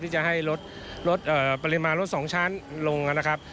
ที่จะให้ลดปริมาณรถ๒ชั้นลงนะครับ